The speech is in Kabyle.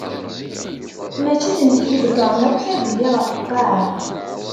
Mačči d nekk i iḍeggren akk taduli ɣef lqaɛa.